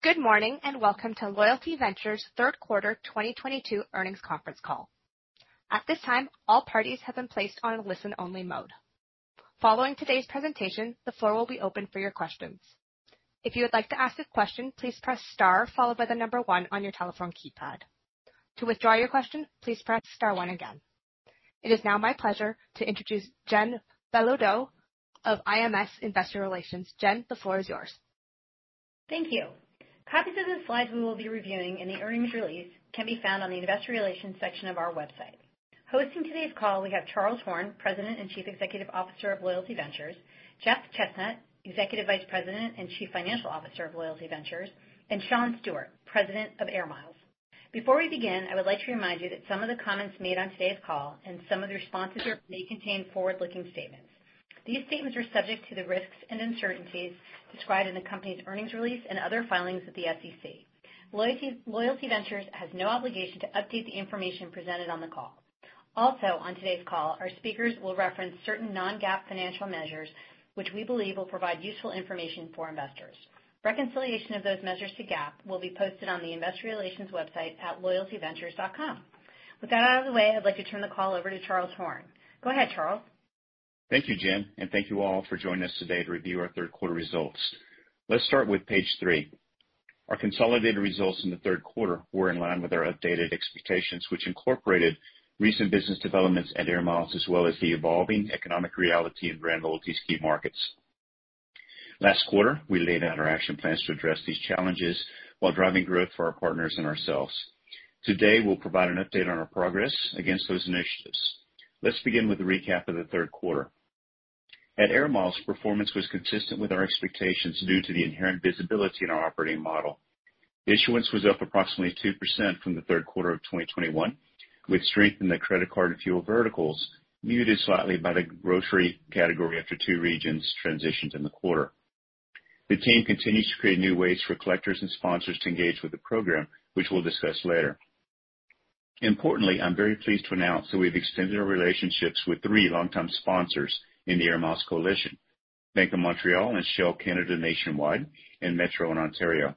Good morning, and welcome to Loyalty Ventures' third quarter 2022 earnings conference call. At this time, all parties have been placed on a listen-only mode. Following today's presentation, the floor will be open for your questions. If you would like to ask a question, please press star followed by 1 on your telephone keypad. To withdraw your question, please press star 1 again. It is now my pleasure to introduce Jennifer Belodeau of IMS Investor Relations. Jen, the floor is yours. Thank you. Copies of the slides we will be reviewing and the earnings release can be found on the investor relations section of our website. Hosting today's call, we have Charles Horn, President and Chief Executive Officer of Loyalty Ventures, Jeff Chesnut, Executive Vice President and Chief Financial Officer of Loyalty Ventures, and Shawn Stewart, President of AIR MILES. Before we begin, I would like to remind you that some of the comments made on today's call and some of the responses may contain forward-looking statements. These statements are subject to the risks and uncertainties described in the company's earnings release and other filings with the SEC. Loyalty Ventures has no obligation to update the information presented on the call. Also on today's call, our speakers will reference certain non-GAAP financial measures which we believe will provide useful information for investors. Reconciliation of those measures to GAAP will be posted on the investor relations website at loyaltyventures.com. With that out of the way, I'd like to turn the call over to Charles Horn. Go ahead, Charles. Thank you, Jen Belodeau, and thank you all for joining us today to review our third quarter results. Let's start with page 3. Our consolidated results in the third quarter were in line with our updated expectations, which incorporated recent business developments at AIR MILES as well as the evolving economic reality in BrandLoyalty's key markets. Last quarter, we laid out our action plans to address these challenges while driving growth for our partners and ourselves. Today, we'll provide an update on our progress against those initiatives. Let's begin with a recap of the third quarter. At AIR MILES, performance was consistent with our expectations due to the inherent visibility in our operating model. Issuance was up approximately 2% from the third quarter of 2021, with strength in the credit card and fuel verticals muted slightly by the grocery category after 2 regions transitioned in the quarter. The team continues to create new ways for collectors and sponsors to engage with the program, which we'll discuss later. Importantly, I'm very pleased to announce that we've extended our relationships with three longtime sponsors in the AIR MILES coalition, Bank of Montreal and Shell Canada nationwide and Metro in Ontario.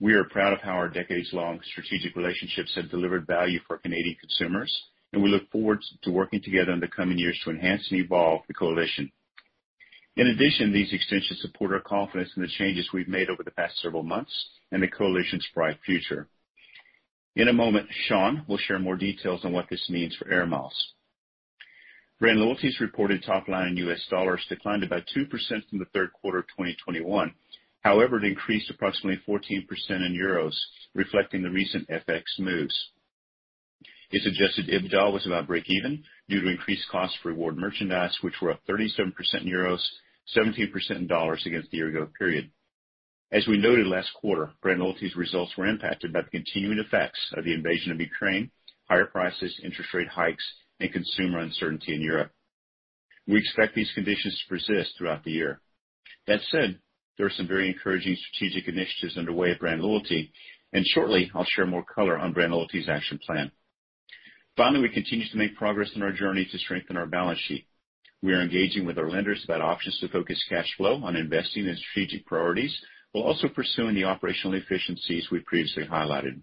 We are proud of how our decades-long strategic relationships have delivered value for Canadian consumers, and we look forward to working together in the coming years to enhance and evolve the coalition. In addition, these extensions support our confidence in the changes we've made over the past several months and the coalition's bright future. In a moment, Sean will share more details on what this means for AIR MILES. BrandLoyalty's reported top line in US dollars declined about 2% from the third quarter of 2021. However, it increased approximately 14% in euros, reflecting the recent FX moves. Its adjusted EBITDA was about breakeven due to increased costs for reward merchandise, which were up 37% in euros, 17% in dollars against the year-ago period. As we noted last quarter, BrandLoyalty's results were impacted by the continuing effects of the invasion of Ukraine, higher prices, interest rate hikes, and consumer uncertainty in Europe. We expect these conditions to persist throughout the year. That said, there are some very encouraging strategic initiatives underway at BrandLoyalty, and shortly I'll share more color on BrandLoyalty's action plan. Finally, we continue to make progress in our journey to strengthen our balance sheet. We are engaging with our lenders about options to focus cash flow on investing in strategic priorities, while also pursuing the operational efficiencies we previously highlighted.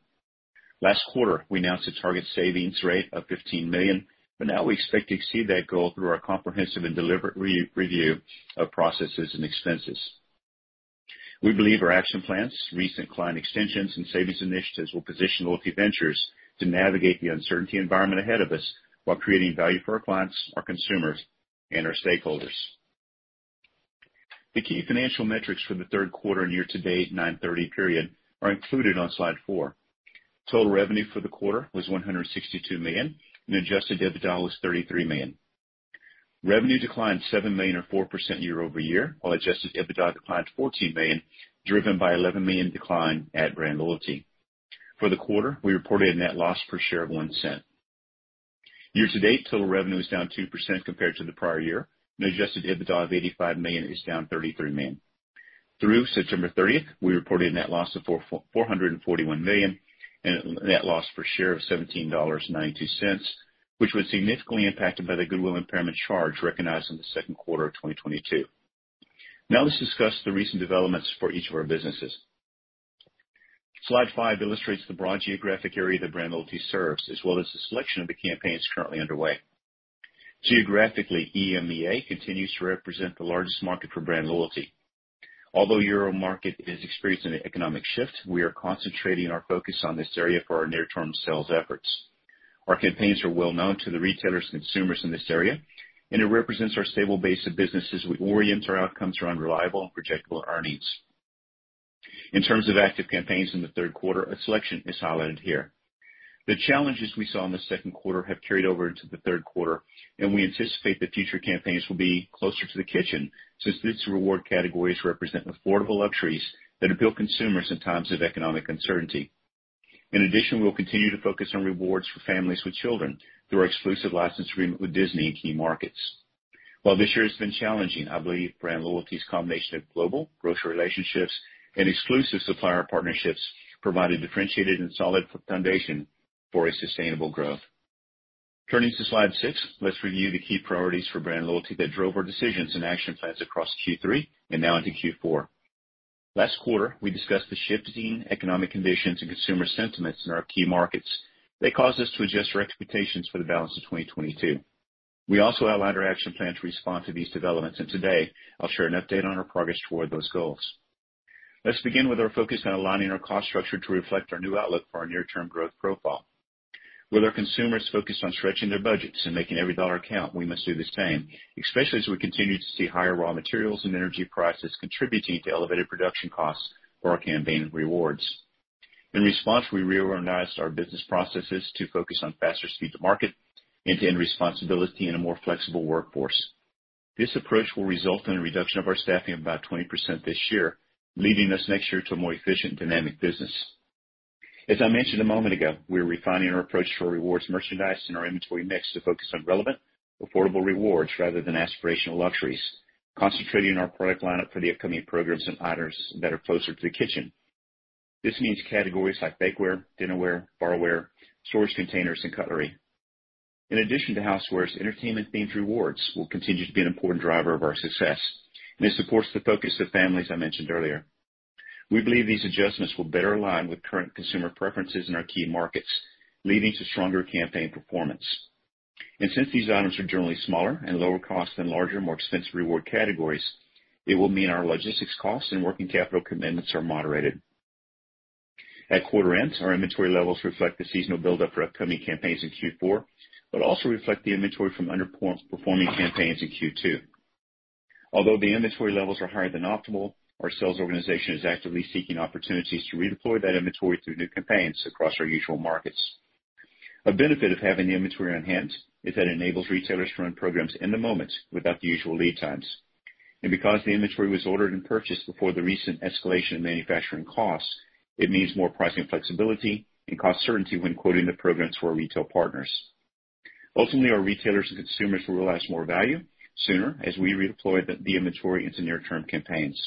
Last quarter, we announced a target savings rate of $15 million, but now we expect to exceed that goal through our comprehensive and deliberate re-review of processes and expenses. We believe our action plans, recent client extensions, and savings initiatives will position Loyalty Ventures to navigate the uncertain environment ahead of us while creating value for our clients, our consumers, and our stakeholders. The key financial metrics for the third quarter and year-to-date nine-month period are included on slide 4. Total revenue for the quarter was $162 million and adjusted EBITDA was $33 million. Revenue declined $7 million or 4% year-over-year, while adjusted EBITDA declined $14 million, driven by $11 million decline at BrandLoyalty. For the quarter, we reported a net loss per share of $0.01. Year to date, total revenue is down 2% compared to the prior year, and adjusted EBITDA of $85 million is down $33 million. Through September 30th, we reported a net loss of $441 million and a net loss per share of $17.92, which was significantly impacted by the goodwill impairment charge recognized in the second quarter of 2022. Now let's discuss the recent developments for each of our businesses. Slide 5 illustrates the broad geographic area that BrandLoyalty serves, as well as the selection of the campaigns currently underway. Geographically, EMEA continues to represent the largest market for BrandLoyalty. Although euro market is experiencing an economic shift, we are concentrating our focus on this area for our near-term sales efforts. Our campaigns are well-known to the retailers and consumers in this area, and it represents our stable base of business as we orient our outcomes around reliable and projectable earnings. In terms of active campaigns in the third quarter, a selection is highlighted here. The challenges we saw in the second quarter have carried over into the third quarter, and we anticipate that future campaigns will be closer to the kitchen, since these reward categories represent affordable luxuries that appeal to consumers in times of economic uncertainty. In addition, we will continue to focus on rewards for families with children through our exclusive license agreement with Disney in key markets. While this year has been challenging, I believe BrandLoyalty's combination of global grocery relationships and exclusive supplier partnerships provide a differentiated and solid foundation for a sustainable growth. Turning to slide 6, let's review the key priorities for BrandLoyalty that drove our decisions and action plans across Q3 and now into Q4. Last quarter, we discussed the shifting economic conditions and consumer sentiments in our key markets that caused us to adjust our expectations for the balance of 2022. We also outlined our action plan to respond to these developments, and today I'll share an update on our progress toward those goals. Let's begin with our focus on aligning our cost structure to reflect our new outlook for our near-term growth profile. With our consumers focused on stretching their budgets and making every dollar count, we must do the same, especially as we continue to see higher raw materials and energy prices contributing to elevated production costs for our campaign rewards. In response, we reorganized our business processes to focus on faster speed to market, end-to-end responsibility, and a more flexible workforce. This approach will result in a reduction of our staffing of about 20% this year, leading us next year to a more efficient and dynamic business. As I mentioned a moment ago, we are refining our approach for rewards merchandise and our inventory mix to focus on relevant, affordable rewards rather than aspirational luxuries, concentrating our product lineup for the upcoming programs and items that are closer to the kitchen. This means categories like bakeware, dinnerware, barware, storage containers, and cutlery. In addition to housewares, entertainment-themed rewards will continue to be an important driver of our success, and it supports the focus of families I mentioned earlier. We believe these adjustments will better align with current consumer preferences in our key markets, leading to stronger campaign performance. Since these items are generally smaller and lower cost than larger, more expensive reward categories, it will mean our logistics costs and working capital commitments are moderated. At quarter end, our inventory levels reflect the seasonal buildup for upcoming campaigns in Q4, but also reflect the inventory from underperforming campaigns in Q2. Although the inventory levels are higher than optimal, our sales organization is actively seeking opportunities to redeploy that inventory through new campaigns across our usual markets. A benefit of having the inventory on hand is that it enables retailers to run programs in the moment without the usual lead times. Because the inventory was ordered and purchased before the recent escalation in manufacturing costs, it means more pricing flexibility and cost certainty when quoting the programs for our retail partners. Ultimately, our retailers and consumers will realize more value sooner as we redeploy the inventory into near-term campaigns.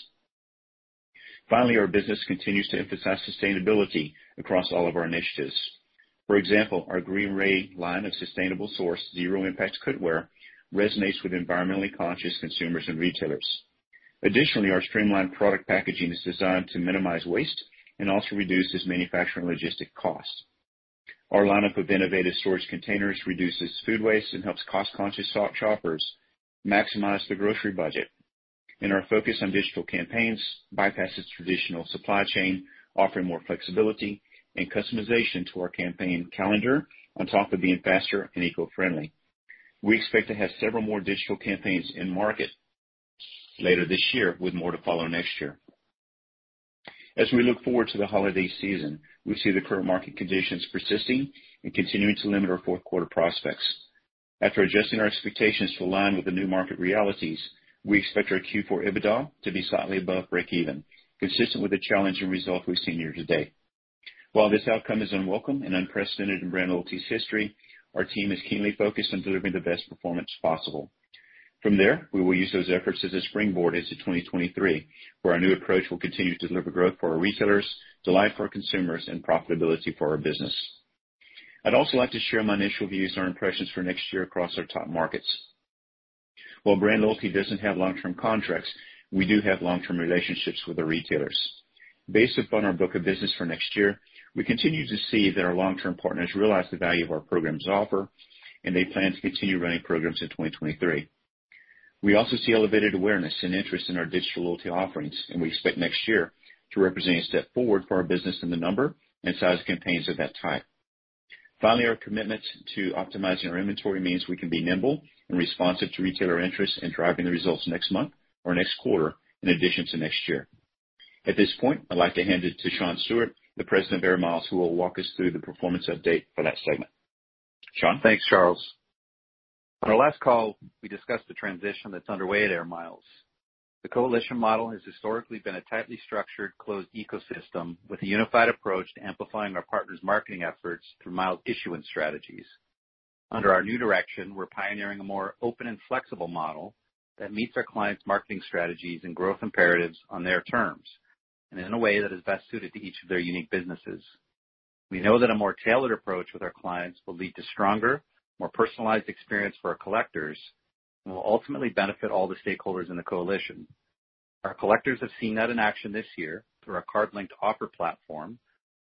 Ultimately, our business continues to emphasize sustainability across all of our initiatives. For example, our GreenPan line of sustainable source zero impact cookware resonates with environmentally conscious consumers and retailers. Additionally, our streamlined product packaging is designed to minimize waste and also reduces manufacturing logistic costs. Our lineup of innovative storage containers reduces food waste and helps cost-conscious smart shoppers maximize their grocery budget. Our focus on digital campaigns bypasses traditional supply chain, offering more flexibility and customization to our campaign calendar, on top of being faster and eco-friendly. We expect to have several more digital campaigns in market later this year, with more to follow next year. As we look forward to the holiday season, we see the current market conditions persisting and continuing to limit our fourth quarter prospects. After adjusting our expectations to align with the new market realities, we expect our Q4 EBITDA to be slightly above breakeven, consistent with the challenging results we've seen year to date. While this outcome is unwelcome and unprecedented in BrandLoyalty's history, our team is keenly focused on delivering the best performance possible. From there, we will use those efforts as a springboard into 2023, where our new approach will continue to deliver growth for our retailers, delight for our consumers, and profitability for our business. I'd also like to share my initial views on impressions for next year across our top markets. While BrandLoyalty doesn't have long-term contracts, we do have long-term relationships with the retailers. Based upon our book of business for next year, we continue to see that our long-term partners realize the value of our program's offer and they plan to continue running programs in 2023. We also see elevated awareness and interest in our digital loyalty offerings, and we expect next year to represent a step forward for our business in the number and size of campaigns of that type. Finally, our commitment to optimizing our inventory means we can be nimble and responsive to retailer interests in driving the results next month or next quarter, in addition to next year. At this point, I'd like to hand it to Shawn Stewart, the President of AIR MILES, who will walk us through the performance update for that segment. Shawn? Thanks, Charles. On our last call, we discussed the transition that's underway at AIR MILES. The Coalition model has historically been a tightly structured, closed ecosystem with a unified approach to amplifying our partners' marketing efforts through miles issuance strategies. Under our new direction, we're pioneering a more open and flexible model that meets our clients' marketing strategies and growth imperatives on their terms and in a way that is best suited to each of their unique businesses. We know that a more tailored approach with our clients will lead to stronger, more personalized experience for our collectors and will ultimately benefit all the stakeholders in the coalition. Our collectors have seen that in action this year through our card-linked offer platform,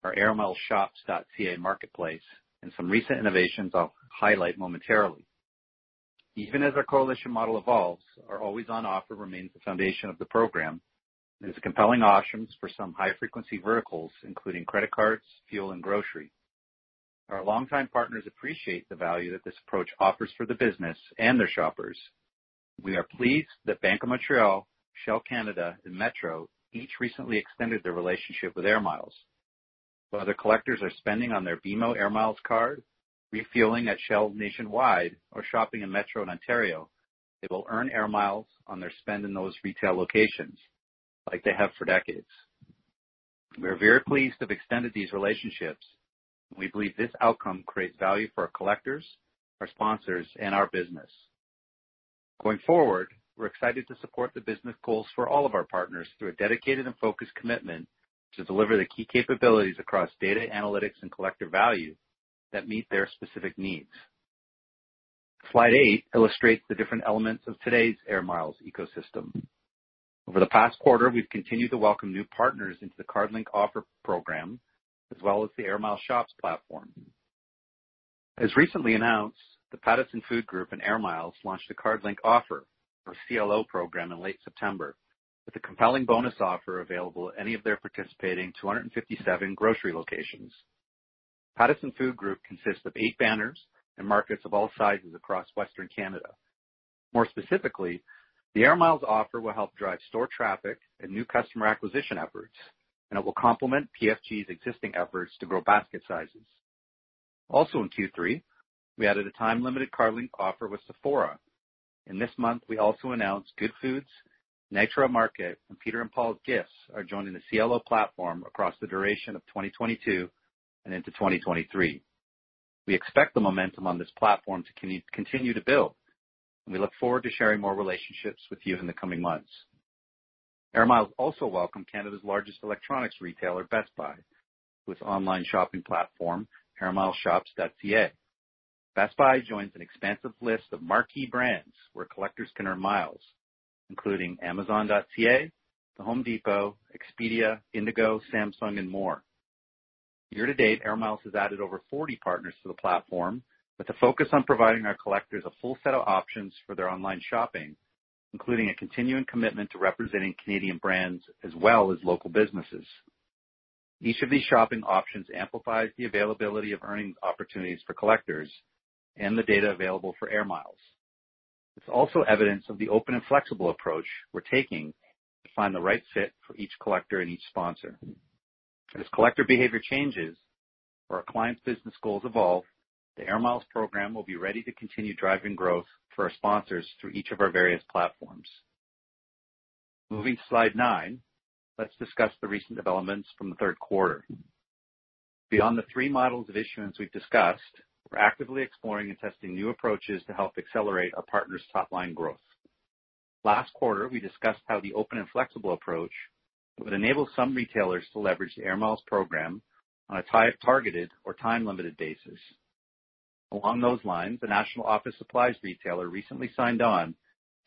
our airmilesshops.ca marketplace, and some recent innovations I'll highlight momentarily. Even as our Coalition model evolves, our always-on offer remains the foundation of the program and is a compelling option for some high-frequency verticals, including credit cards, fuel, and grocery. Our longtime partners appreciate the value that this approach offers for the business and their shoppers. We are pleased that Bank of Montreal, Shell Canada, and Metro each recently extended their relationship with AIR MILES. Whether collectors are spending on their BMO AIR MILES card, refueling at Shell nationwide, or shopping in Metro in Ontario, they will earn AIR MILES on their spend in those retail locations like they have for decades. We are very pleased to have extended these relationships, and we believe this outcome creates value for our collectors, our sponsors, and our business. Going forward, we're excited to support the business goals for all of our partners through a dedicated and focused commitment to deliver the key capabilities across data analytics and collective value that meet their specific needs. Slide 8 illustrates the different elements of today's AIR MILES ecosystem. Over the past quarter, we've continued to welcome new partners into the Card Link Offer program, as well as the AIR MILES Shops platform. As recently announced, the Pattison Food Group and AIR MILES launched a Card Link Offer or CLO program in late September, with a compelling bonus offer available at any of their participating 257 grocery locations. Pattison Food Group consists of eight banners and markets of all sizes across western Canada. More specifically, the AIR MILES offer will help drive store traffic and new customer acquisition efforts, and it will complement PFG's existing efforts to grow basket sizes. Also in Q3, we added a time-limited card-linked offer with Sephora, and this month we also announced Good Foods, Nitro Market, and Peter and Paul's Gifts are joining the CLO platform across the duration of 2022 and into 2023. We expect the momentum on this platform to continue to build, and we look forward to sharing more relationships with you in the coming months. AIR MILES also welcomed Canada's largest electronics retailer, Best Buy, with online shopping platform, airmilesshops.ca. Best Buy joins an expansive list of marquee brands where collectors can earn miles, including Amazon.ca, The Home Depot, Expedia, Indigo, Samsung and more. Year to date, AIR MILES has added over 40 partners to the platform with a focus on providing our collectors a full set of options for their online shopping, including a continuing commitment to representing Canadian brands as well as local businesses. Each of these shopping options amplifies the availability of earnings opportunities for collectors and the data available for AIR MILES. It's also evidence of the open and flexible approach we're taking to find the right fit for each collector and each sponsor. As collector behavior changes or our clients' business goals evolve, the AIR MILES program will be ready to continue driving growth for our sponsors through each of our various platforms. Moving to slide 9, let's discuss the recent developments from the third quarter. Beyond the three models of issuance we've discussed, we're actively exploring and testing new approaches to help accelerate our partners' top line growth. Last quarter, we discussed how the open and flexible approach would enable some retailers to leverage the AIR MILES program on a targeted or time limited basis. Along those lines, the national office supplies retailer recently signed on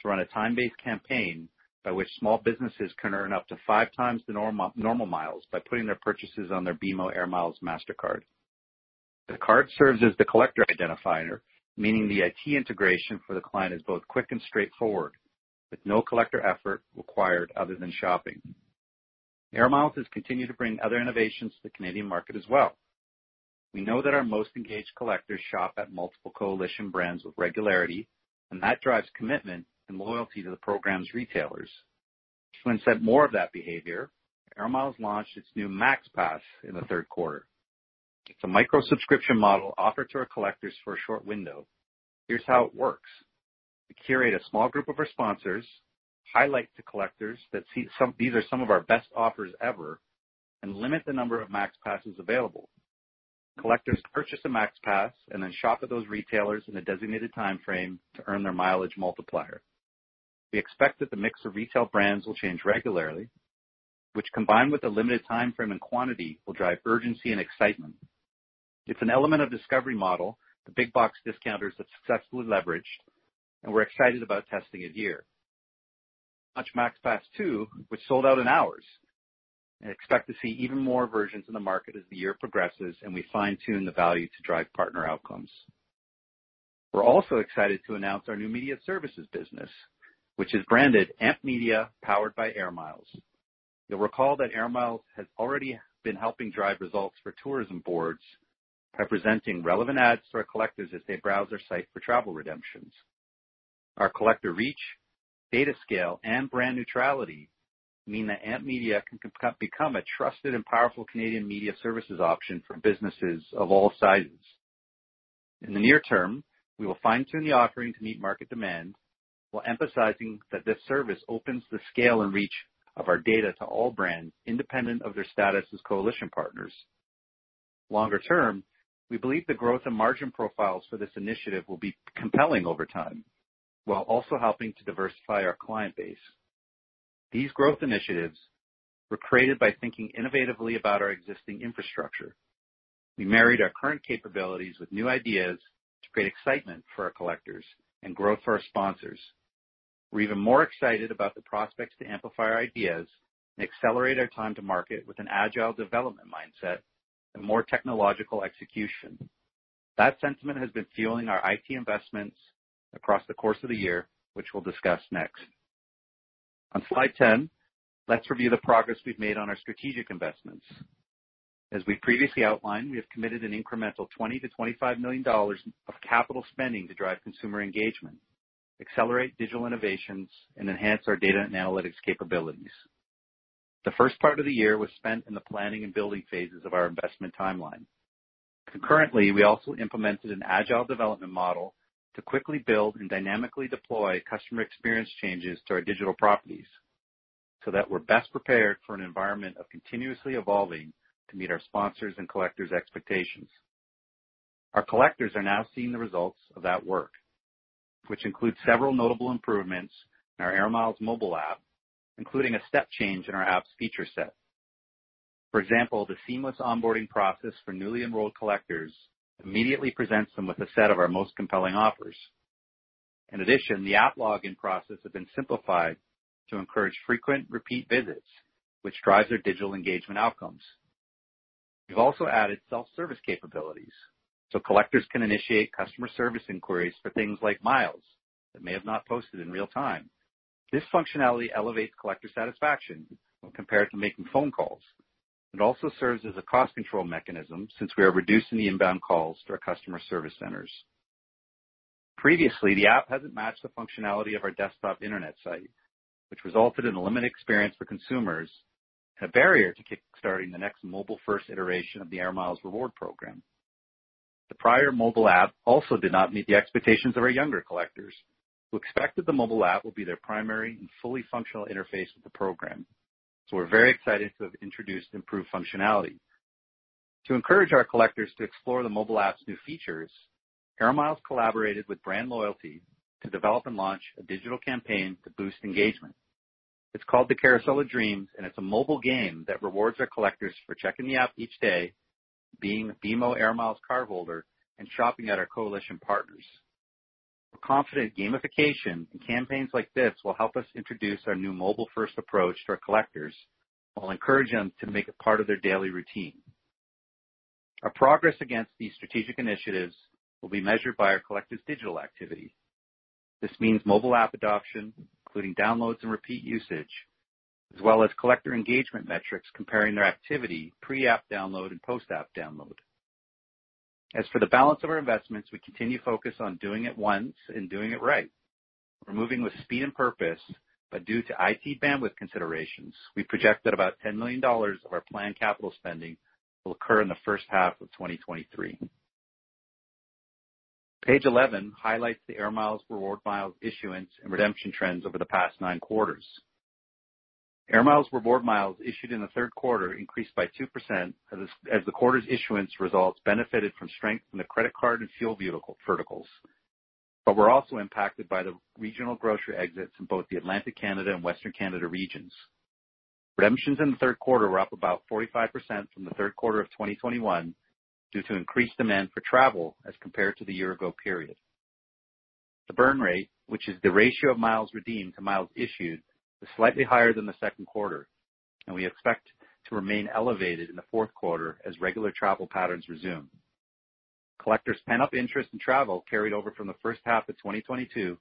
to run a time-based campaign by which small businesses can earn up to five times the normal miles by putting their purchases on their BMO AIR MILES Mastercard. The card serves as the collector identifier, meaning the IT integration for the client is both quick and straightforward, with no collector effort required other than shopping. AIR MILES has continued to bring other innovations to the Canadian market as well. We know that our most engaged collectors shop at multiple coalition brands with regularity, and that drives commitment and loyalty to the program's retailers. To incent more of that behavior, AIR MILES launched its new MAX PASS in the third quarter. It's a micro subscription model offered to our collectors for a short window. Here's how it works. We curate a small group of our sponsors, highlight to collectors these are some of our best offers ever, and limit the number of MaxPasses available. Collectors purchase a MaxPass and then shop at those retailers in a designated timeframe to earn their mileage multiplier. We expect that the mix of retail brands will change regularly, which combined with a limited timeframe and quantity, will drive urgency and excitement. It's an element of discovery model the big box discounters have successfully leveraged, and we're excited about testing it here. MaxPass two, which sold out in hours, and expect to see even more versions in the market as the year progresses and we fine-tune the value to drive partner outcomes. We're also excited to announce our new media services business, which is branded AMP Media, powered by AIR MILES. You'll recall that AIR MILES has already been helping drive results for tourism boards by presenting relevant ads to our collectors as they browse our site for travel redemptions. Our collector reach, data scale, and brand neutrality mean that AMP Media can become a trusted and powerful Canadian media services option for businesses of all sizes. In the near term, we will fine-tune the offering to meet market demand while emphasizing that this service opens the scale and reach of our data to all brands independent of their status as coalition partners. Longer term, we believe the growth and margin profiles for this initiative will be compelling over time, while also helping to diversify our client base. These growth initiatives were created by thinking innovatively about our existing infrastructure. We married our current capabilities with new ideas to create excitement for our collectors and growth for our sponsors. We're even more excited about the prospects to amplify our ideas and accelerate our time to market with an agile development mindset and more technological execution. That sentiment has been fueling our IT investments across the course of the year, which we'll discuss next. On slide 10, let's review the progress we've made on our strategic investments. As we previously outlined, we have committed an incremental $20-$25 million of capital spending to drive consumer engagement, accelerate digital innovations, and enhance our data and analytics capabilities. The first part of the year was spent in the planning and building phases of our investment timeline. Concurrently, we also implemented an agile development model to quickly build and dynamically deploy customer experience changes to our digital properties so that we're best prepared for an environment of continuously evolving to meet our sponsors' and collectors' expectations. Our collectors are now seeing the results of that work, which includes several notable improvements in our AIR MILES mobile app, including a step change in our app's feature set. For example, the seamless onboarding process for newly enrolled collectors immediately presents them with a set of our most compelling offers. In addition, the app login process has been simplified to encourage frequent repeat visits, which drives our digital engagement outcomes. We've also added self-service capabilities so collectors can initiate customer service inquiries for things like miles that may have not posted in real time. This functionality elevates collector satisfaction when compared to making phone calls. It also serves as a cost control mechanism since we are reducing the inbound calls to our customer service centers. Previously, the app hasn't matched the functionality of our desktop internet site, which resulted in a limited experience for consumers and a barrier to kickstarting the next mobile-first iteration of the AIR MILES reward program. The prior mobile app also did not meet the expectations of our younger collectors, who expected the mobile app will be their primary and fully functional interface with the program. We're very excited to have introduced improved functionality. To encourage our collectors to explore the mobile app's new features, AIR MILES collaborated with BrandLoyalty to develop and launch a digital campaign to boost engagement. It's called the Carousel of Dreams, and it's a mobile game that rewards our collectors for checking the app each day, being a BMO AIR MILES card holder, and shopping at our coalition partners. We're confident gamification and campaigns like this will help us introduce our new mobile-first approach to our collectors while encouraging them to make it part of their daily routine. Our progress against these strategic initiatives will be measured by our collectors' digital activity. This means mobile app adoption, including downloads and repeat usage, as well as collector engagement metrics comparing their activity pre-app download and post-app download. As for the balance of our investments, we continue to focus on doing it once and doing it right. We're moving with speed and purpose, but due to IT bandwidth considerations, we project that about $10 million of our planned capital spending will occur in the first half of 2023. Page 11 highlights the AIR MILES reward miles issuance and redemption trends over the past 9 quarters. AIR MILES reward miles issued in the third quarter increased by 2% as the quarter's issuance results benefited from strength from the credit card and fuel verticals, but were also impacted by the regional grocery exits in both the Atlantic Canada and Western Canada regions. Redemptions in the third quarter were up about 45% from the third quarter of 2021 due to increased demand for travel as compared to the year ago period. The burn rate, which is the ratio of miles redeemed to miles issued, was slightly higher than the second quarter, and we expect to remain elevated in the fourth quarter as regular travel patterns resume. Collectors' pent-up interest in travel carried over from the first half of 2022,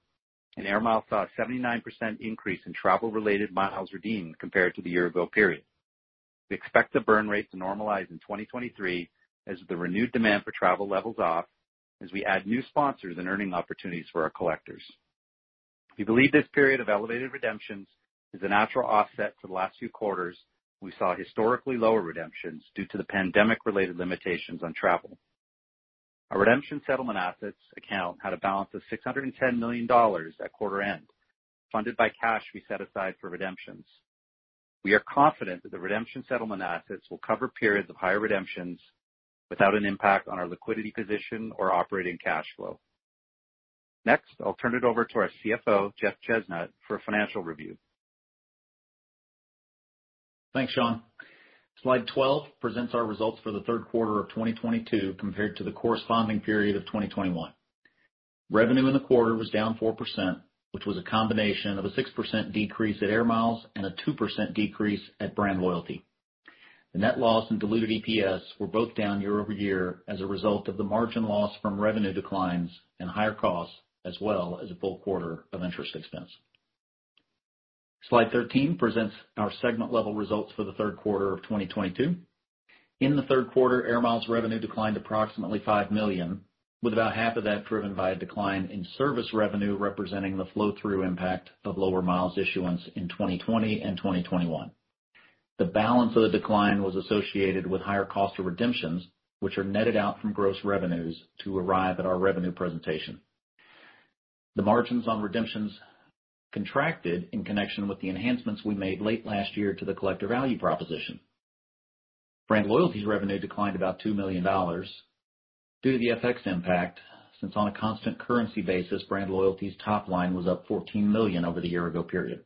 and AIR MILES saw a 79% increase in travel-related miles redeemed compared to the year ago period. We expect the burn rate to normalize in 2023 as the renewed demand for travel levels off as we add new sponsors and earning opportunities for our collectors. We believe this period of elevated redemptions is a natural offset to the last few quarters we saw historically lower redemptions due to the pandemic-related limitations on travel. Our redemption settlement assets account had a balance of $610 million at quarter end, funded by cash we set aside for redemptions. We are confident that the redemption settlement assets will cover periods of higher redemptions without an impact on our liquidity position or operating cash flow. Next, I'll turn it over to our CFO, Jeff Chesnut, for a financial review. Thanks, Sean. Slide 12 presents our results for the third quarter of 2022 compared to the corresponding period of 2021. Revenue in the quarter was down 4%, which was a combination of a 6% decrease at Air Miles and a 2% decrease at BrandLoyalty. The net loss in diluted EPS were both down year-over-year as a result of the margin loss from revenue declines and higher costs, as well as a full quarter of interest expense. Slide 13 presents our segment level results for the third quarter of 2022. In the third quarter, Air Miles revenue declined approximately $5 million, with about half of that driven by a decline in service revenue, representing the flow-through impact of lower miles issuance in 2020 and 2021. The balance of the decline was associated with higher cost of redemptions, which are netted out from gross revenues to arrive at our revenue presentation. The margins on redemptions contracted in connection with the enhancements we made late last year to the collector value proposition. BrandLoyalty's revenue declined about $2 million due to the FX impact, since on a constant currency basis, BrandLoyalty's top line was up $14 million over the year ago period.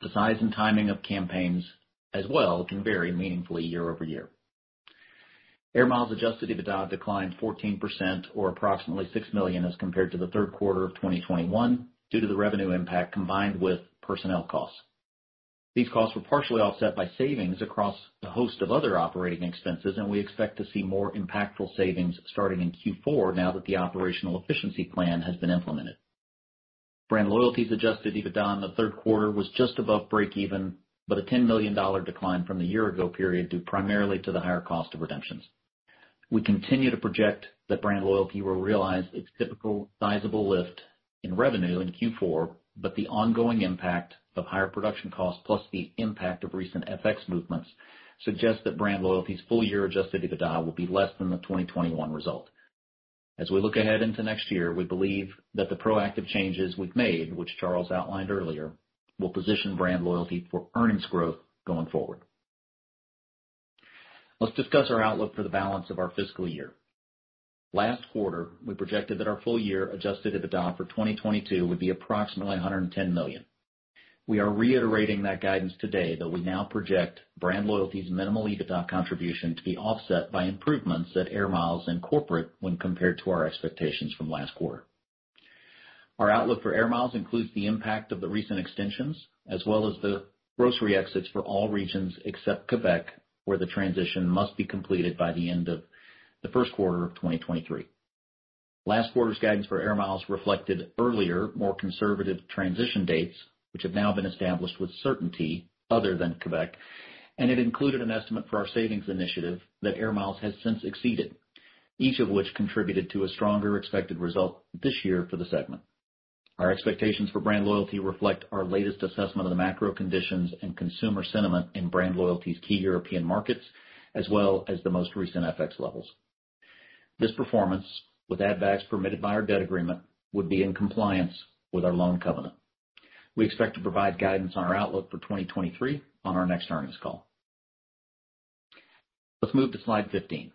The size and timing of campaigns as well can vary meaningfully year-over-year. AIR MILES adjusted EBITDA declined 14% or approximately $6 million as compared to the third quarter of 2021 due to the revenue impact combined with personnel costs. These costs were partially offset by savings across a host of other operating expenses, and we expect to see more impactful savings starting in Q4 now that the operational efficiency plan has been implemented. BrandLoyalty's adjusted EBITDA in the third quarter was just above break even, but a $10 million decline from the year ago period, due primarily to the higher cost of redemptions. We continue to project that BrandLoyalty will realize its typical sizable lift in revenue in Q4, but the ongoing impact of higher production costs, plus the impact of recent FX movements, suggest that BrandLoyalty's full year adjusted EBITDA will be less than the 2021 result. As we look ahead into next year, we believe that the proactive changes we've made, which Charles outlined earlier, will position BrandLoyalty for earnings growth going forward. Let's discuss our outlook for the balance of our fiscal year. Last quarter, we projected that our full year adjusted EBITDA for 2022 would be approximately $110 million. We are reiterating that guidance today that we now project BrandLoyalty's minimal EBITDA contribution to be offset by improvements at AIR MILES and corporate when compared to our expectations from last quarter. Our outlook for AIR MILES includes the impact of the recent extensions as well as the grocery exits for all regions except Quebec, where the transition must be completed by the end of the first quarter of 2023. Last quarter's guidance for AIR MILES reflected earlier, more conservative transition dates, which have now been established with certainty other than Quebec, and it included an estimate for our savings initiative that AIR MILES has since exceeded, each of which contributed to a stronger expected result this year for the segment. Our expectations for BrandLoyalty reflect our latest assessment of the macro conditions and consumer sentiment in BrandLoyalty's key European markets, as well as the most recent FX levels. This performance, with add backs permitted by our debt agreement, would be in compliance with our loan covenant. We expect to provide guidance on our outlook for 2023 on our next earnings call. Let's move to slide 15.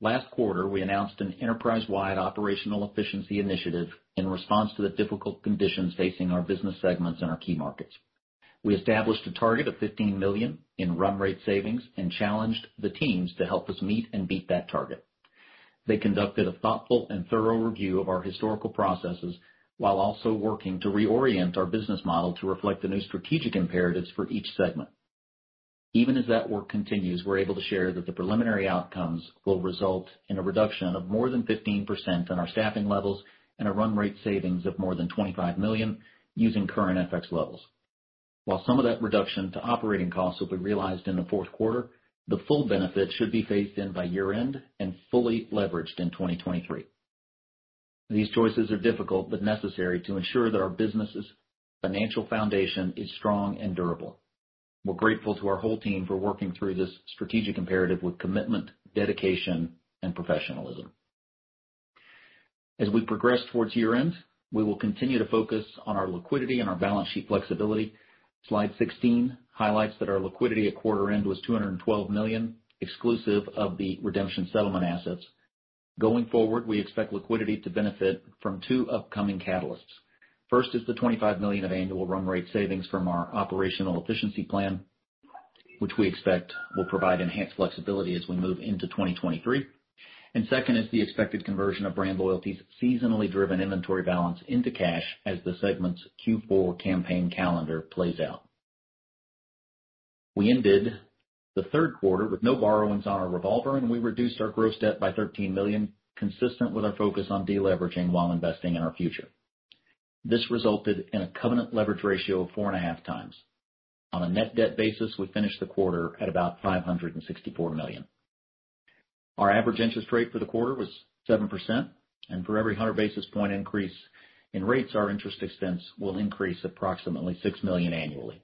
Last quarter, we announced an enterprise-wide operational efficiency initiative in response to the difficult conditions facing our business segments in our key markets. We established a target of $15 million in run rate savings and challenged the teams to help us meet and beat that target. They conducted a thoughtful and thorough review of our historical processes while also working to reorient our business model to reflect the new strategic imperatives for each segment. Even as that work continues, we're able to share that the preliminary outcomes will result in a reduction of more than 15% in our staffing levels and a run rate savings of more than $25 million using current FX levels. While some of that reduction to operating costs will be realized in the fourth quarter, the full benefit should be phased in by year-end and fully leveraged in 2023. These choices are difficult but necessary to ensure that our business' financial foundation is strong and durable. We're grateful to our whole team for working through this strategic imperative with commitment, dedication, and professionalism. As we progress towards year-end, we will continue to focus on our liquidity and our balance sheet flexibility. Slide 16 highlights that our liquidity at quarter end was $212 million, exclusive of the redemption settlement assets. Going forward, we expect liquidity to benefit from two upcoming catalysts. First is the $25 million of annual run rate savings from our operational efficiency plan, which we expect will provide enhanced flexibility as we move into 2023. Second is the expected conversion of BrandLoyalty's seasonally driven inventory balance into cash as the segment's Q4 campaign calendar plays out. We ended the third quarter with no borrowings on our revolver, and we reduced our gross debt by $13 million, consistent with our focus on deleveraging while investing in our future. This resulted in a covenant leverage ratio of 4.5 times. On a net debt basis, we finished the quarter at about $564 million. Our average interest rate for the quarter was 7%, and for every 100 basis point increase in rates, our interest expense will increase approximately $6 million annually.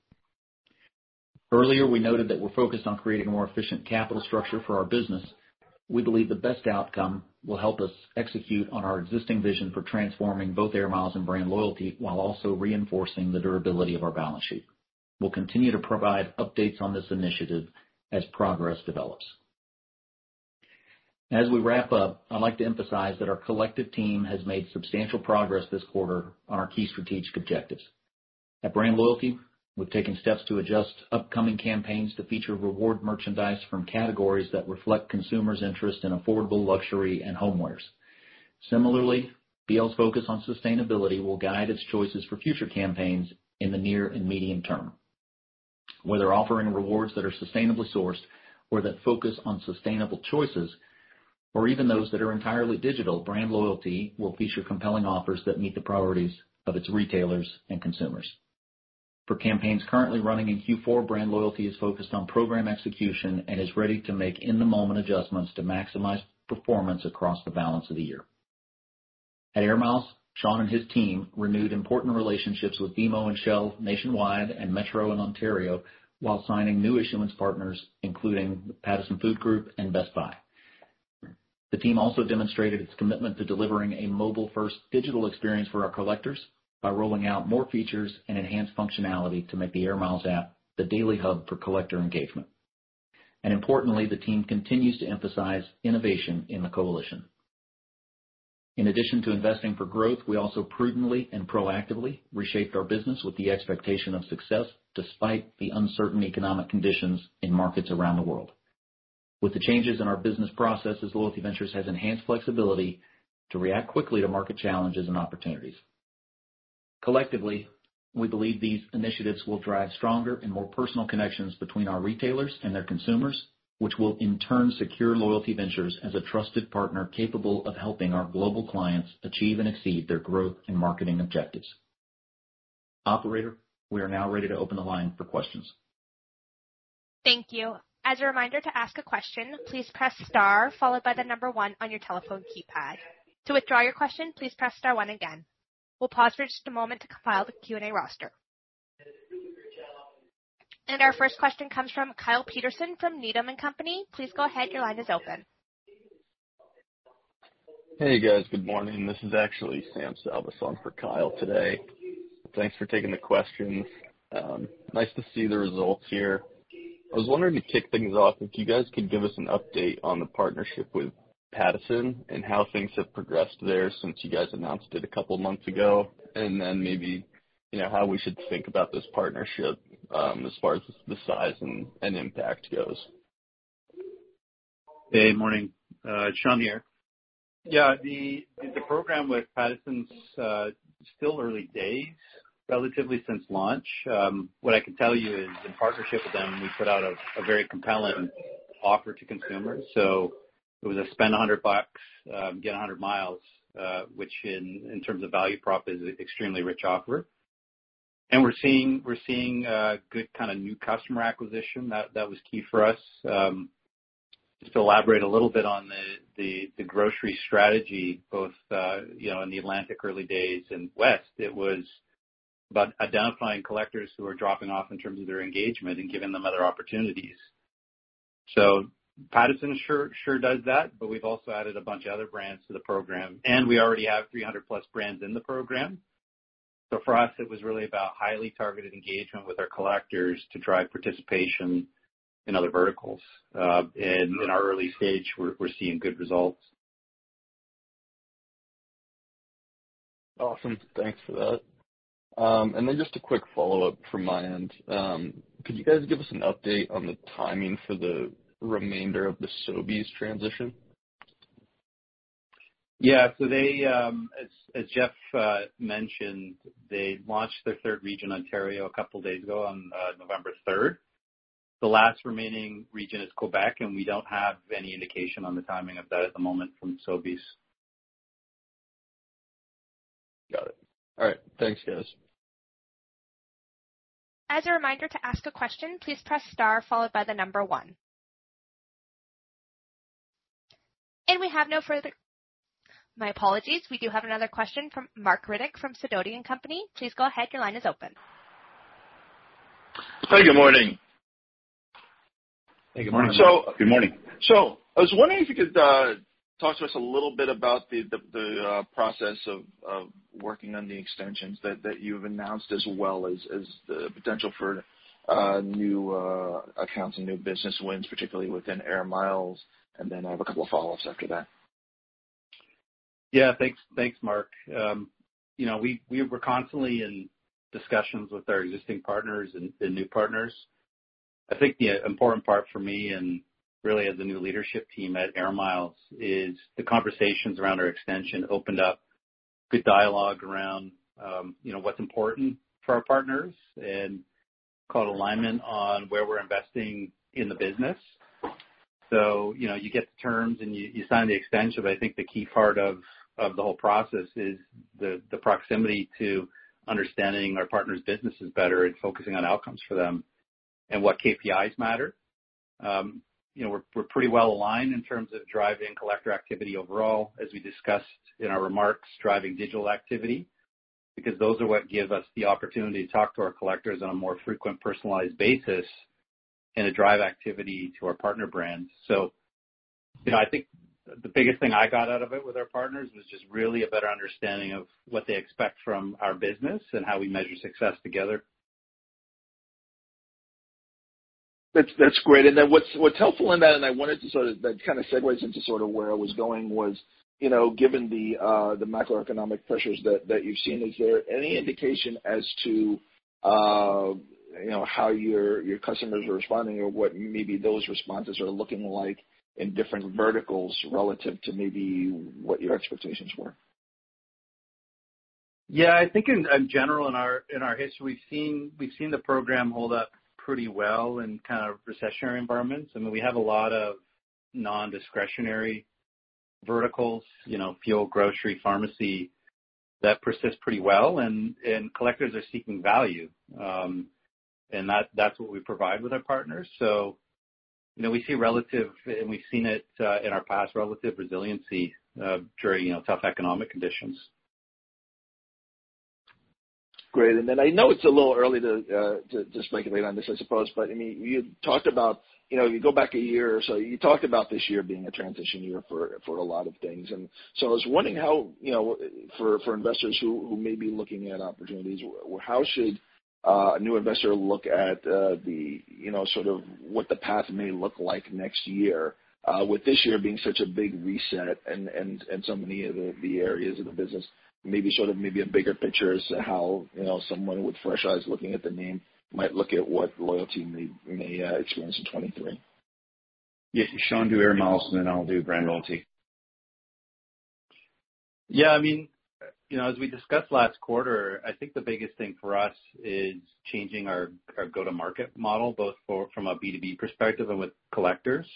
Earlier, we noted that we're focused on creating a more efficient capital structure for our business. We believe the best outcome will help us execute on our existing vision for transforming both AIR MILES and BrandLoyalty while also reinforcing the durability of our balance sheet. We'll continue to provide updates on this initiative as progress develops. As we wrap up, I'd like to emphasize that our collective team has made substantial progress this quarter on our key strategic objectives. At BrandLoyalty, we've taken steps to adjust upcoming campaigns to feature reward merchandise from categories that reflect consumers' interest in affordable luxury and homewares. Similarly, BL's focus on sustainability will guide its choices for future campaigns in the near and medium term, whether offering rewards that are sustainably sourced or that focus on sustainable choices, or even those that are entirely digital. BrandLoyalty will feature compelling offers that meet the priorities of its retailers and consumers. For campaigns currently running in Q4, BrandLoyalty is focused on program execution and is ready to make in-the-moment adjustments to maximize performance across the balance of the year. At AIR MILES, Sean and his team renewed important relationships with BMO and Shell nationwide and Metro in Ontario while signing new issuance partners, including the Pattison Food Group and Best Buy. The team also demonstrated its commitment to delivering a mobile-first digital experience for our collectors by rolling out more features and enhanced functionality to make the AIR MILES app the daily hub for collector engagement. Importantly, the team continues to emphasize innovation in the coalition. In addition to investing for growth, we also prudently and proactively reshaped our business with the expectation of success despite the uncertain economic conditions in markets around the world. With the changes in our business processes, Loyalty Ventures has enhanced flexibility to react quickly to market challenges and opportunities. Collectively, we believe these initiatives will drive stronger and more personal connections between our retailers and their consumers, which will in turn secure Loyalty Ventures as a trusted partner capable of helping our global clients achieve and exceed their growth and marketing objectives. Operator, we are now ready to open the line for questions. Thank you. As a reminder to ask a question, please press star followed by the number 1 on your telephone keypad. To withdraw your question, please press star 1 again. We'll pause for just a moment to compile the Q&A roster. Our first question comes from Kyle Peterson from Needham & Company. Please go ahead. Your line is open. Hey, guys. Good morning. This is actually Sam Salvas for Kyle today. Thanks for taking the questions. Nice to see the results here. I was wondering, to kick things off, if you guys could give us an update on the partnership with Pattison and how things have progressed there since you guys announced it a couple months ago, and then maybe, you know, how we should think about this partnership as far as the size and impact goes. Hey, morning. Shawn here. Yeah, the program with Pattison's still early days, relatively since launch. What I can tell you is in partnership with them, we put out a very compelling offer to consumers. It was a spend $100, get 100 miles, which in terms of value prop is extremely rich offer. We're seeing good kinda new customer acquisition. That was key for us. Just to elaborate a little bit on the grocery strategy, both you know in the Atlantic early days and West, it was about identifying collectors who are dropping off in terms of their engagement and giving them other opportunities. Pattison sure does that, but we've also added a bunch of other brands to the program, and we already have 300+ brands in the program. For us, it was really about highly targeted engagement with our collectors to drive participation in other verticals. In our early stage, we're seeing good results. Awesome. Thanks for that. Just a quick follow-up from my end. Could you guys give us an update on the timing for the remainder of the Sobeys transition? They, as Jeff mentioned, launched their third region, Ontario, a couple days ago on November third. The last remaining region is Quebec, and we don't have any indication on the timing of that at the moment from Sobeys. Got it. All right. Thanks, guys. As a reminder to ask a question, please press star followed by the number one. My apologies. We do have another question from Marc Riddick from Sidoti & Company. Please go ahead. Your line is open. Hey, good morning. Hey, good morning, Marc. So- Good morning. I was wondering if you could talk to us a little bit about the process of working on the extensions that you've announced, as well as the potential for new accounts and new business wins, particularly within AIR MILES. I have a couple of follow-ups after that. Yeah, thanks. Thanks, Mark. You know, we're constantly in discussions with our existing partners and new partners. I think the important part for me and really as the new leadership team at AIR MILES is the conversations around our extension opened up good dialogue around what's important for our partners and coalition alignment on where we're investing in the business. You know, you get the terms and you sign the extension, but I think the key part of the whole process is the proximity to understanding our partners' businesses better and focusing on outcomes for them and what KPIs matter. You know, we're pretty well aligned in terms of driving collector activity overall, as we discussed in our remarks, driving digital activity, because those are what give us the opportunity to talk to our collectors on a more frequent personalized basis and to drive activity to our partner brands. You know, I think the biggest thing I got out of it with our partners was just really a better understanding of what they expect from our business and how we measure success together. That's great. Then what's helpful in that. That kind of segues into sort of where I was going was, you know, given the macroeconomic pressures that you've seen, is there any indication as to, you know, how your customers are responding or what maybe those responses are looking like in different verticals relative to maybe what your expectations were? Yeah, I think in general, in our history, we've seen the program hold up pretty well in kind of recessionary environments. I mean, we have a lot of non-discretionary verticals, you know, fuel, grocery, pharmacy, that persist pretty well, and collectors are seeking value. That's what we provide with our partners. You know, we see relative resiliency and we've seen it in our past relative resiliency during you know tough economic conditions. Great. Then I know it's a little early to speculate on this, I suppose, but I mean, you talked about, you know, you go back a year or so, you talked about this year being a transition year for a lot of things. I was wondering how, you know, for investors who may be looking at opportunities, how should a new investor look at what the path may look like next year, with this year being such a big reset and so many of the areas of the business maybe a bigger picture as to how, you know, someone with fresh eyes looking at the name might look at what Loyalty may experience in 2023. Sean do AIR MILES, and then I'll do BrandLoyalty. Yeah, I mean, you know, as we discussed last quarter, I think the biggest thing for us is changing our go-to-market model, both from a B2B perspective and with collectors.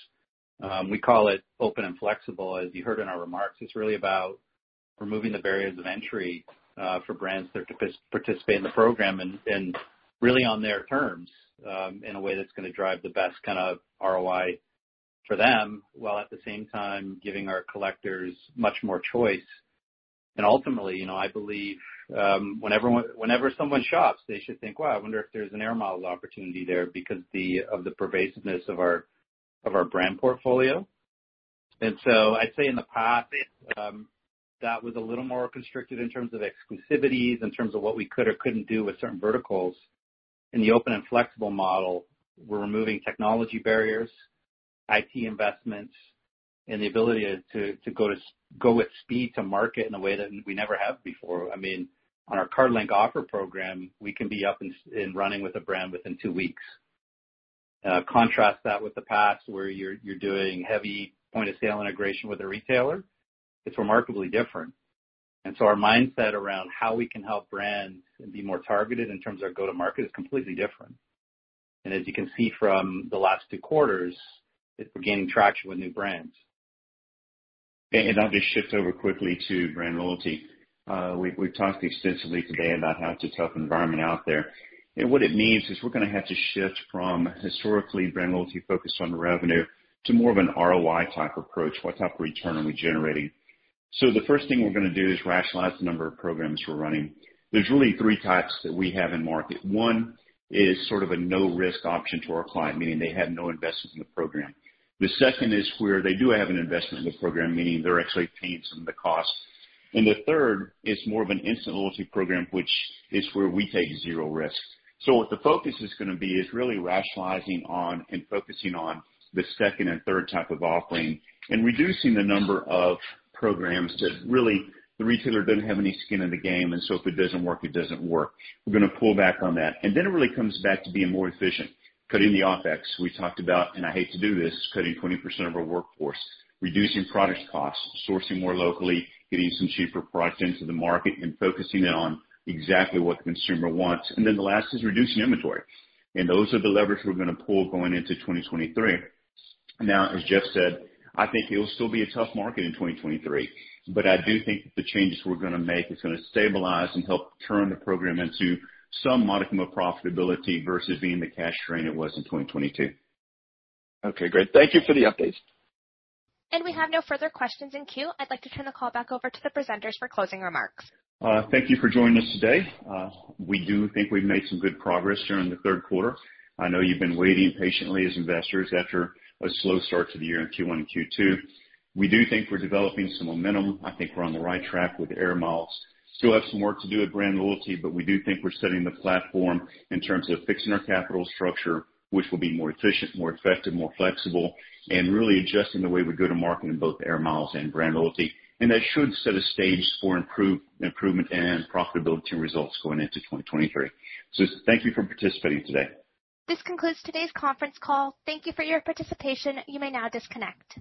We call it open and flexible, as you heard in our remarks. It's really about removing the barriers of entry for brands that participate in the program and really on their terms, in a way that's gonna drive the best kind of ROI for them, while at the same time giving our collectors much more choice. Ultimately, you know, I believe, whenever someone shops, they should think, "Wow, I wonder if there's an AIR MILES opportunity there," because of the pervasiveness of our brand portfolio. I'd say in the past, that was a little more constricted in terms of exclusivities, in terms of what we could or couldn't do with certain verticals. In the open and flexible model, we're removing technology barriers, IT investments, and the ability to go with speed to market in a way that we never have before. I mean, on our card-linked offer program, we can be up and running with a brand within two weeks. Contrast that with the past where you're doing heavy point-of-sale integration with a retailer. It's remarkably different. Our mindset around how we can help brands and be more targeted in terms of our go-to-market is completely different. As you can see from the last two quarters, it's gaining traction with new brands. I'll just shift over quickly to BrandLoyalty. We've talked extensively today about how it's a tough environment out there. What it means is we're gonna have to shift from historically BrandLoyalty focused on revenue to more of an ROI type approach, what type of return are we generating. The first thing we're gonna do is rationalize the number of programs we're running. There's really three types that we have in market. One is sort of a no-risk option to our client, meaning they have no investment in the program. The second is where they do have an investment in the program, meaning they're actually paying some of the costs. The third is more of an instant loyalty program, which is where we take zero risk. What the focus is gonna be is really rationalizing on and focusing on the second and third type of offering and reducing the number of programs that really the retailer doesn't have any skin in the game, and so if it doesn't work, it doesn't work. We're gonna pull back on that. Then it really comes back to being more efficient, cutting the OpEx. We talked about, and I hate to do this, cutting 20% of our workforce, reducing product costs, sourcing more locally, getting some cheaper product into the market, and focusing it on exactly what the consumer wants. Then the last is reducing inventory. Those are the levers we're gonna pull going into 2023. Now, as Jeff said, I think it'll still be a tough market in 2023, but I do think that the changes we're gonna make is gonna stabilize and help turn the program into some modicum of profitability versus being the cash drain it was in 2022. Okay, great. Thank you for the updates. We have no further questions in queue. I'd like to turn the call back over to the presenters for closing remarks. Thank you for joining us today. We do think we've made some good progress during the third quarter. I know you've been waiting patiently as investors after a slow start to the year in Q1 and Q2. We do think we're developing some momentum. I think we're on the right track with AIR MILES. Still have some work to do at BrandLoyalty, but we do think we're setting the platform in terms of fixing our capital structure, which will be more efficient, more effective, more flexible, and really adjusting the way we go to market in both AIR MILES and BrandLoyalty. That should set a stage for improvement and profitability results going into 2023. Thank you for participating today. This concludes today's conference call. Thank you for your participation. You may now disconnect.